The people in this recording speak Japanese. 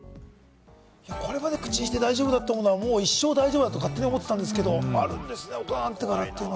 これまで口にして大丈夫だったものが一生大丈夫だと勝手に思ってたんですけれども、あるんですね、大人になってからって。